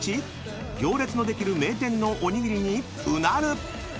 ［行列のできる名店のおにぎりにうなる！］